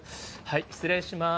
失礼します。